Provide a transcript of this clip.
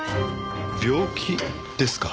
病気ですか。